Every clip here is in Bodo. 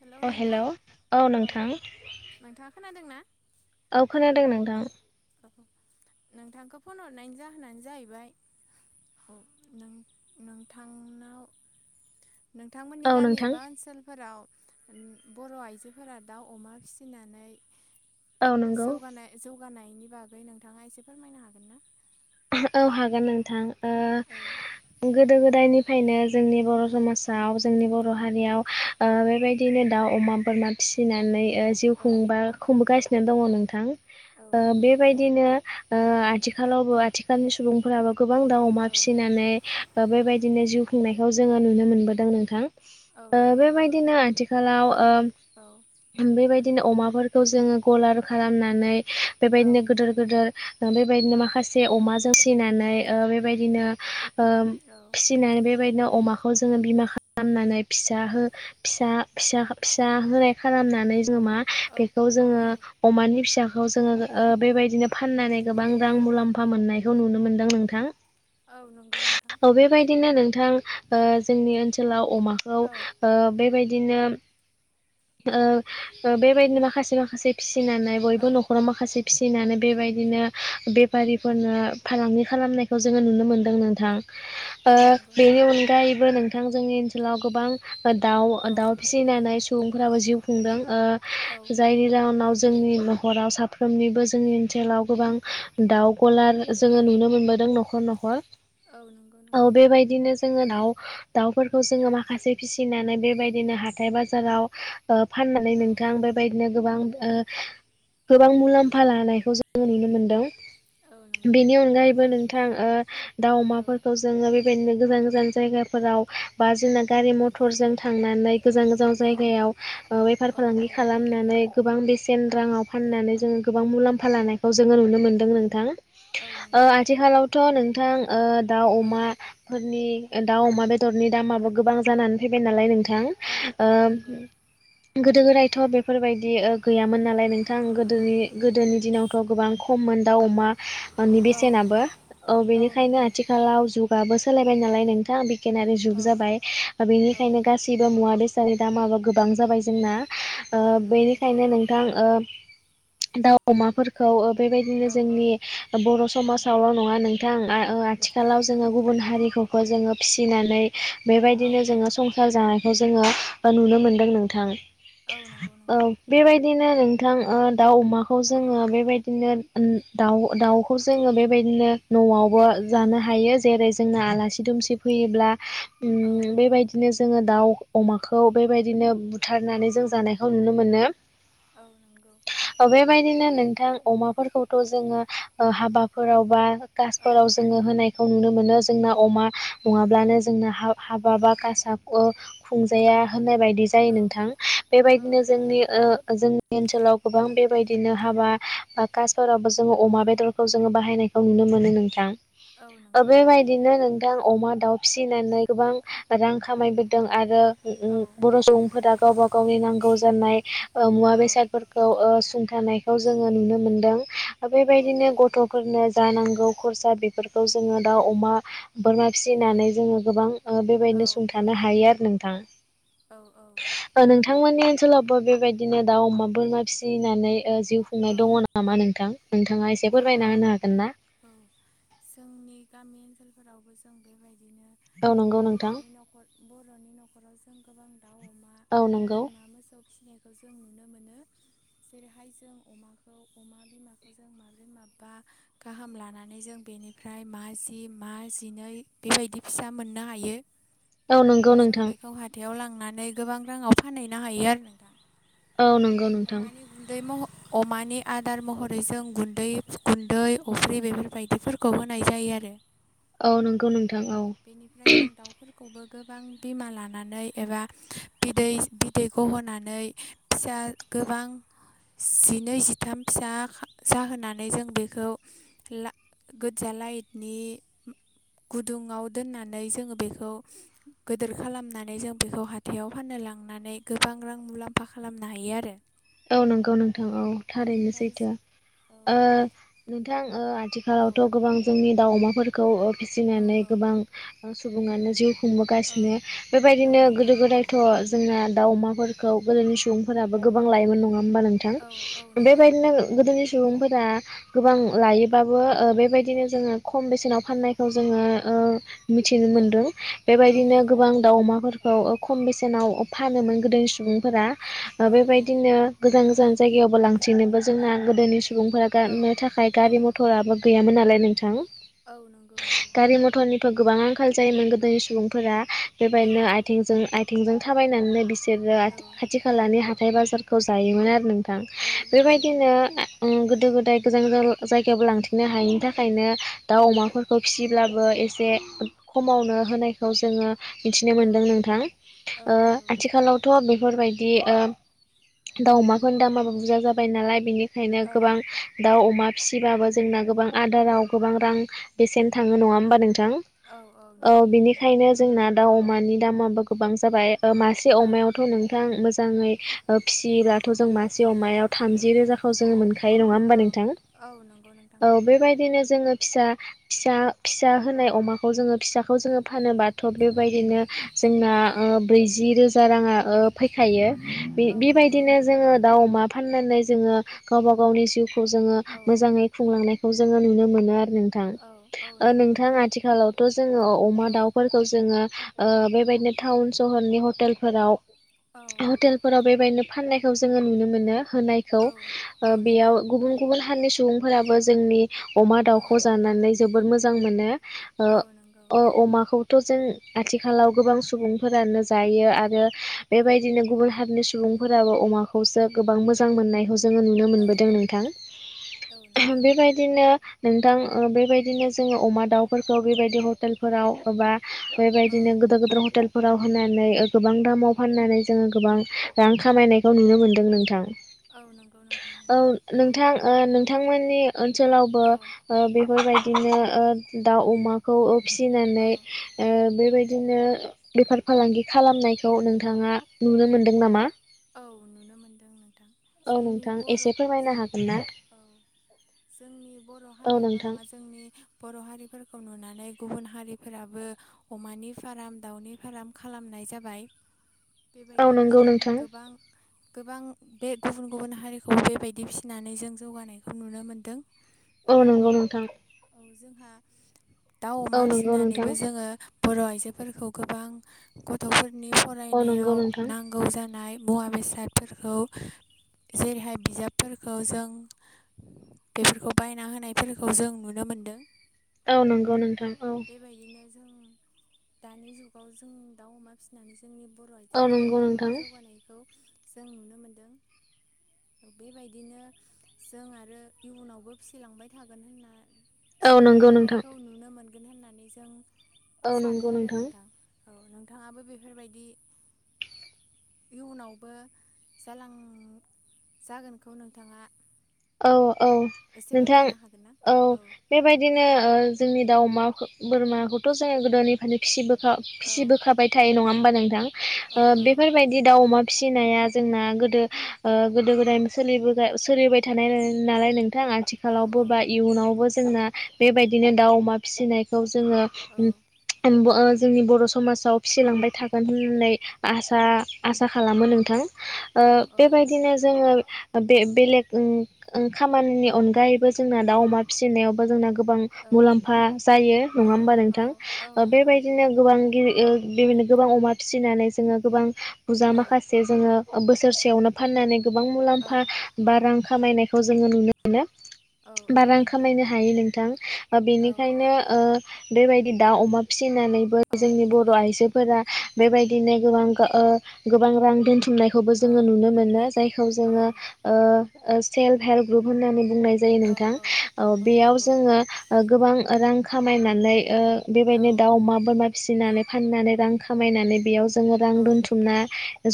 हेलौ अ नोंथां हेल' औ औ नोंथां। नोंथाङा खोनादों ना? औ खोनादों नोंथां। नोंथांखौ फन हरनायनि जाहोनानो जाहैबाय नोंथांनाव नोंथांमोननि गामि नोंथां एबा ओनसोलफोराव बर' आइजोफोरा दाउ अमा फिसिनानै औ नंगौ जौगानाय जौगानायनि बागै नोंथाङा एसे फोरमायनो हागोन ना औ हागोन औ नोंथां औ ओ गोदो गोदायनि फ्रायनो जोंनि बर' समाजाव जोंनि बर' हारियाव बेबायदिनो दाउ अमा बोरमा फि सिनानै जिउ खुंबा औ खुंबोगासिनो दङ नोंथां ओ नंगौ बेबायदिनो ओ आथिखालावबो आथिखालनि सुबुंफोराबो गोबां दाउ अमा औ फिसिनानै बेबायदि बिदिनो जिउ खुंनायखौ जोङो नुनो मोनबोदों नोंथां औ ओ नंगौ बेबायदिनो आथिखालाव औ ओ बेबायदिनो अमाफोरखौ जोङो गलार खालामनानै औ बेबायदिनो गिदोर गिदोर बेबायदिनो माखासे जे अमाजों फिनानै बेबायदिनो ओ औ फिसिनानै बेबायदिनो अमाखौ जोङो बिमा खालामनानै फिसा हो फिसा फिसा फिसा होनाय खालामनानै जोङो मा औ बेखौ औ जोङो नंगौ अमानि फिसाखौ जोङो ओ बेबायदिनो फाननानै गोबां रां मुलाम्फा मोननायखौ नुनो मोन्दों नोंथां औ नंगौ नोंथां औ बेबायदिनो नोंथां ओ जोंनि ओनसोलाव अमाखौ औ ओ बेबायदि बिबायनो ओ बेबायदिनो माखासे माखासे फिसि फिसिनानै बयबो औ न'खराव माखासे फिसिनानै बेबायदिनो बे बेफारिफोरनो फालांगि खालामनायखौ जोङो नुनो मोन्दों नोंथां ओ औ नंगौ बेनि नोंथां अनगायैबो नोंथां जोंनि ओनसोलाव गोबां दाउ औ - दाउ फिसिनानै सुबुंफोराबो जिउ खुंदों औ ओ जायनि जाउनाव जोंनि न'खराव साफ्रोमनिबो जोंनि ओनसोलाव गोबां दाउ गलार जोङो नुनो मोनबोदों न'खर- न'खर औ नंगौ औ नोंथां बेबायदिनो जोङो दाउ दाउफोरखौ जोङो माखासे फिसिनानै बेबायदिनो हाथाय बाजाराव ओ फाननानै औ नोंथां बेबायदिनो गोबां ओ गोबां मुलाम्फा लानायखौ जोङो नुनो मोनदों औ नंगौ बेनि नोंथां अनगायैबो नोंथां ओ दाउ औ अमाफोरखौ जोङो बेबायदिनो गोजान गोजान जायगाफोराव बा जोंना गारि - मथरजों थांनानै गोजान गोजान औ जायगायाव ओ बेफार - औ फालांगि औ खालामनानै गोबां बेसेन राङाव फाननानै जोङो गोबां मुलाम्फा लानायखौ जोङो नुनो मोन्दों नोंथां औ नंगौ ओ नोंथां आथिखालावथ' नोंथां दाउ औ अमाफोरनि दाउ अमा बेदरनि दामाबो गोबां जानानै फैबाय नालाय नोंथां औ औ ओ नंगौ गोदो- गोदायथ' बेफोरबायदि ओ गैयामोन नालाय नोंथां गोदोनि गोदोनि दिनावथ' गोबां खममोन दाउ अमानि औ बेसेनाबो ओ औ बेनिखायनो नंगौ आथिखालाव जुगाबो सो सोलायबाय नालाय नोंथाङा बिगियानारि जुग औ जाबाय औ बेनिखायनो गासिबो मुवा बेसे नि दामाबो गोबां जाबाय जोंना औ नंगौ बेनिखायनो नोंथां ओ दाउ, अमाफोरखौ ओ बेबाय औ औ जोंनि बर' समाजावल' नङा नोंथां ओ औ आथिखालाव जोङो गुबुन हारिखौ खौ जोङो फिसिनानै औ बेबायदिनो जोङो संसार जानाय जोङो नुनो मोनदों नोंथां औ नंगौ ओ नोंथां बेबायदिनो नोंथां ओ दाउ अमाखौ औ जोङो बेबायदिनो उम दाउ- दाउखौ जोङो बेबायदिनो न'आवबो औ जानो हायो जेरै जोंनो आलासि दुमसि फैयोब्ला उम औ बेबायदिनो जोङो दाउ अमाखौ बेबायदिनो बुथारनानै जों जानायखौ नुनो मोनो औ नंगौ ओ बेबायदिनो नोंथां अमाफोरखौथ' जोङो ओ हाबाफोराव बा औ कासफोराव जोङो होनाय नुनो मोनो जोंना अमा नङाब्लानो जोंना हा हाबा बा कासा खुंजाया होननाय बायदि जायो औ नोंथां औ बेबायनो नंगौ जोंनि ओ जोंनि नि ओनसोलाव गोबां बेबायदिनो हाबा बा कास फोरावबो जोङो अमा बेदरखौ जोङो बाहायनायखौ नुनो मोनो नोंथां औ ओ नंगौ नंगौ बेबायदिनो नों थां अमा, दाउ फिसिनानै गोबां रां खामायबोदों आरो उम - औ उम बर' सुबुंफोरा गावबा गावनि नांगौ जानाय ओ मुवा औ बेसादफोरखौ ओ सु थानायखौ जोङो नुनो मोनदों औ बेबायदिनो नंगौ गथ'फोरनो जा नांगौ औ खरसा बेफोरखौ जोङो दाउ अमा बोरमा फिसिनानै जोङो गोबां ओ औ बेबायदिनो सुंथानो हायो आरो नोंथां औ - औ नोंथांमोननि ओनसोलावबो बेबायदिनो दाउ अमा बोरमा फिसिनानै ओ जिउ खुंनाय औ दङ नामा नोंथां नोंथाङा एसे औ फोरमायना होनो हागोन ना जोंनि [unintelligible] दाउ, अमा, औ नंगौ नोंथां औ नंगौ बोरमा, मोसौ फिसिनायखौ जों नुनो मोनो जेरैहाय जों अमाखौ अमा बिमाखौ जों मा माबै माबा गाहाम लानानै जों बेनिफ्राय मा जि मा जिनै बेबायदि फि फिसा मोननो हायो। औ नंगौ बेनिफ्राय जों नोंथां बेखौ हाथायाव लांनानै गोबां राङाव फानहैनो हायो आरो नोंथां। औ नंगौ नोंथां। अमानि गुन्दै मह अमानि आदार महरै जों गुन दै गुन्दै अफ्रि बेफोरबायदिफोरखौ होनाय जायो आरो। औ नंगौ नों औ बेनिफ्राय जों दाउफोरखौबो गोबां बिमा लानानै एबा बिदै बिदै गहोनानै फिसा गोबां जिनै जिथाम फिसा खा जाहोनानै जों बेखौ ला गोज लाटइनि गुदुंआव दोननानै जोङो बेखौ गोदिर खालामनानै जों बेखौ हाथायाव फाननो लांनानै गोबां रां सांग्रां मुलाम्फा खालामनो हायो आरो। औ नंगौ नोंथां औ थारैनो बेनिफ्राय सैथो औ ओ नोंथां ओ आ औ थिखालावथ' गोबां जोंनि दाउ अमाफोरखौ औ फिसिनानै गोबां सुबुङानो जिउ औ खुंबोगासिनो औ बेबायदिनो नंगौ गोदो गोदायथ' जोंना दाउ अमाफोरखौ गोदोनि सुबुंफोराबो गोबां लायोमोन नङा। हेनबा औ औ नोंथां नंगौ बेबायदिनो गोदोनि सुबुंफोर आ गोबां लायोबाबो ओ बेबायदिनो जोङो खम बेसेनाव फाननायखौ जोङो ओ मिथिनो औ मोनदों औ बेबायदिनो औ गोबां दाउ अमाफोर खौ खम बेसेनाव फानोमोन गोदोनि सुबुंफोरा ओ औ औ बेबायदिनो गोजान गोजान जायगायावबो लांथिनोबो जोंना गोदोनि सुबुंफोरा औ गानो थाखाय औ गारि मथराबो गैयामोन नालाय नोंथां। औ नंगौ नंगौ। गारि मथरनिबो गोबां आंखाल जायोमोन गोदोनि सुबुंफोरा औ बेबायदिनो आथिं आथिंजों थाबायनानैनो बि बिसोरो औ खाथि खालानि हाथाय बाजारखौ जायोमोन आरो नों थां औ नंगौ बेबायदिनो नोंथां ओ गोदो गोदाय गोजान गोजान जायगायावबो लांथिंनो हायैनि थाखायनो दाउ औ अमाफोरखौ फिसिब्लाबो ए से खमावनो होनायखौ जोङो मिथिनो औ मोनदों नोंथां औ ओ नंगौ आथिखालावथ' बेफोरबायदि ओ दाउ अमाफोरनि दामाबो बुरजा जाबाय नालाय बेनिखायनो औ गोबां दाउ अमा फिसिबाबो जोंना गोबां आदाराव गोबां रां बेसेन थाङो नङा होमबा नों थां औ औ नंगौ नोंथां बिनिखायनो जोंना दाउ अमानि दामाबो गोबां जाबाय। ओ मासे औ अमायावथ' नोंथां मोजाङै फिसियोब्लाथ' जों मासे अमायाव थामजि रोजाखौ जोङो मोनखा यो नङा होमबा औ नोंथां नंगौ नोंथां औ नंगौ बेबायदिनो जोङो। फिसा फिसा फिसा होनाय अमाखौ जोङो फिसाखौ जोङो फानोबाथ' बेबायदिनो जोंना औ ओ ब्रैजि रोजा राङा फैखायो। बे औ नंगौ बेबायदिनो जोङो दाउ अमा फाननानै जोङो गावबा गावनि जिउ खौ जोङो औ मोजाङै खुंलांनायखौ जोङो नुनो मोनो आ रो। औ औ नोंथां नंगौ नोंथां आथिखालावथ' जोङो अमा औ दाउफोरखौ जोङो बेबायदिनो टाउन सहरनि हटेलफोराव औ हटेलफोराव नो फाननायखौ जोङो नुनो मोनो होनायखौ औ ओ औ नंगौ बेयाव गुबुन गुबुन हारिनि सुबुंफोराबो जोंनि अमा औ दाउखौ जानानै जोबोर मोजां मोनो। ओ औ नंगौ ओ अमाखौथ' जों आथिखालाव गोबां सुबुंफोरानो जायो आरो बेबायदिनो गुबुन हारिनि सुबुं सुबुंफोराबो अमाखौसो गोबां मोजां मोननायखौ जोङो नुनो औ मोनबोदों नोंथां औ नंगौ बेबायदिनो नोंथां ओ बेबायदिनो जोङो अमा दाउफोरखौ बेबायदि हटेलफोराव एबा औ बेबायदिनो गोदोर गोदोर हटेलफोराव होनानै गोबां दामाव फाननानै जोङो गोबां रां खामायनायखौ नुनो मोन्दों नोंथां। औ नंगौ नोंथां औ नंगौ। नोंथां ओ नोंथांमोननि ओनसोलावबो औ ओ बेफोरबायदि बिदिनो ओ दाउ अमाखौ ओ फिसिनानै औ ओ बेबायदि बिदिनो बेफार फालांगि खालामनायखौ नोंथाङा नुनो मोनदों नामा? औ नुनो मोनदों नों औ नोंथां एसे फोरमायनो हागोन ना? औ जोंनि बर' औ हारियाल' नोंथां नङा जोंनि बर' हारिफोरखौ नुनानै गुबुन हारिफोराबो अमानि फाराम दावनि फाराम खालामनाय जाबाय। औ बेबायदिनो नंगौ जों नोंथां गोबां गोबां बे गुबुन गुबुन हारिखौबो बेबायदि फिसिनानै जों जौगानायखौ नुनो मोन्दों। औ नंगौ नोंथां। जोंहा दाउ औ अमा नंगौ नोंथां फिसिनानैबो औ जोङो बर' आइजो जोफोरखौ गोबां गथ'फोरनि नंगौ फरायनायाव नोंथां नांगौ जानाय मुवा बेसादफोरखौ जेरैहाय बिजाबफोरखौ जों बेफोरखौ बायना होनायफोरखौ जों नु नुनो मोन्दों। औ नंगौ नोंथां औ। बेबायदिनो जों दानि जुगाव जों दाउ अमा फिसिनानै जों जोंनि बर' औ आइजोफोरा नंगौ गोबां नोंथां जौगानायखौ जों नुनो मोनदों। बेबायदिनो जों आरो इयुनावबो फिसिलांबाय थागोन होनना औ फिसिलांबाय नंगौ नोंथां थानायखौ नुनो मोनगोन होननानै जों औ सानो नंगौ आरो नोंथां। औ नोंथाङाबो बेफोरबायदि इयुनावबो जालां जागोनखौ नोंथाङा औ औ एसे नोंथां फोरमायनो हागोन ना औ बेबायदिनो ओ जोंनि दाउ अमा बोरमाखौथ' जों गोदोनिफ्रायनो फिसिबो [unintelligible] औ फिसिबोखाबाय थायो नङा होमबा नोंथां औ ओ बेफोरबायदि दाउ अमा फिसिनाया जोंना गोदो ओ गोदो गोदायनो सोलिबोगा सोलिबोबाय थानाय ना नालाय नों थां औ आथिखालावबो बा इयुनावबो जोंना बेबायदिनो दाउ अमा फिसिनायखौ जोंङो उम त्साह उमबो जोंनि बर' समाजाव फिसिलांबाय थागोन होननाय आसा आसा खालामो नोंथां। ओ औ औ बेबायदिनो जोङो बे बेलेग उम ओं खामानिनि अनगायैबो जोंना दाउ अमा फिसिनायावबो जोंना गोबां औ मुलाम्फा जायो औ नङा होमबा नोंथां औ ओ नंगौ नोंथां बेबायदिनो नंगौ गोबां गि ओ गोबां अमा फिसिनानै जोङो गोबां बुजा औ माखासे जोङो बोसोरसेयावनो फाननानै गोबां औ मुलाम्फा बा रां खामायनायखौ जोङो नुनो मोनो। औ बा रां नंगौ खामायनो हायो नोंथां ओ औ बेनिखायनो ओ बेबायदि दाउ अमा फिसिनानैबो औ जोंनि बर' आइजोफोरा बेबायदि नो गोबां ओ गोबां रां दोनथु मनायखौबो औ जोङो नुनो मोनो जायखौ जोङो औ सेल्फ हेल्प ग्रुप होननानै बुंनाय जायो नोंथां ओ औ औ बेयाव नंगौ जोङो गोबां रां खामायनानै ओ औ बेबायदिनो दाउ अमा बोरमा फिसिनानै फाननानै रां खामायनानै बेयाव जोङो रां औ दोनथुमना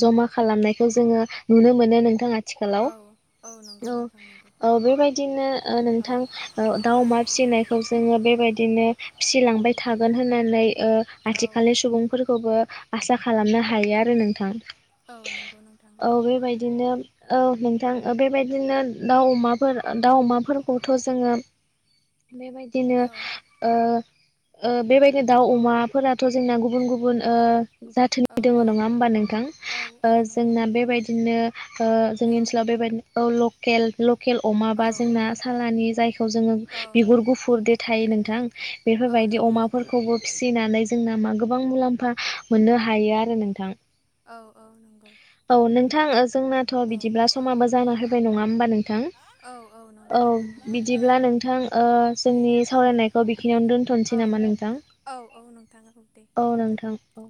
जमा खालामनायखौ जोङो नुनो मोनो नोंथां। औ। औ नंगौ नोंथां नंगौ औ-औ बेबायदिनो नोंथां औ दाउ अमा फिसिनायखौ जोङो बेबायदि दिनो फिसिलांबाय थागोन होननानै ओ औ आथिखालनि सुबुंफोरखौबो आसा खालामना। हायो आरो नोंथां। औ नंगौ नोंथां औ नंगौ। बेबायदिनो औ नोंथां। बेबायदिनो दाउ अमाफोर दाउ अमाफोरखौथ' जोङो बेबायदिनो औ ओ ओ बेबायदि दाउ अमाफोराथ' जोंना गुबुन गुबुन ओ जाथोनि औ दङ औ नङा होमबा नोंथां औ ओ औ नंगौ जोंना बेबायदिनो ओ औ जोंनि ओनसोलाव बेबायदिनो औ लकेल लकेल अमा औ बा जोंना सालानि जायखौ जोङो बिगुर औ गुफुर थायो नोंथां औ बेफोरबायदि नंगौ नोंथां अमाफोरखौबो फिसिनानै जोंना मा गोबां मुलाम्फा मोननो हायो आरो नोंथां औ औ नंगौ औ नोंथां जोंनाथ' औ बिदिब्ला समा जाना होबाय नङा होमबा नोंथां नंगौ औ नोंथां नंगौ बिदिब्ला नोंथां ओ जोंनि सावरायनायखौ बिखिनियावनो दोन्थ'नोसै नामा नोंथां औ-औ औ नोंथां औ